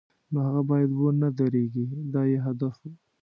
نو هغه باید و نه دردېږي دا یې هدف و.